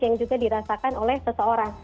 yang juga dirasakan oleh seseorang